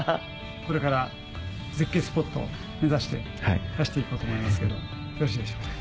これから。を目指して走っていこうと思いますけどよろしいでしょうか？